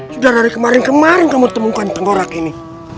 sudah dari kemarin kemarin kamu temukan tenggorak ini